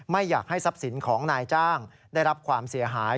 ไม่อยากให้ทรัพย์สินของนายจ้างได้รับความเสียหาย